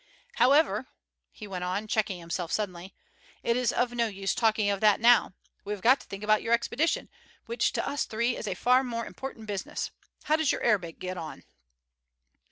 However," he went on, checking himself suddenly, "it is of no use talking of that now; we have got to think about your expedition, which to us three is a far more important business. How does your Arabic get on?"